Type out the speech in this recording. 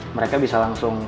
membuat itu memanipulasi itu